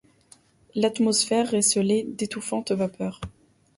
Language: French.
L’atmosphère recélait d’étouffantes vapeurs.